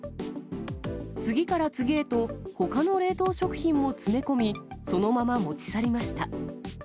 次から次へと、ほかの冷凍食品も詰め込み、そのまま持ち去りました。